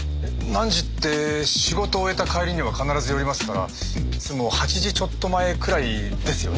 何時って仕事終えた帰りには必ず寄りますからいつも８時ちょっと前くらいですよね？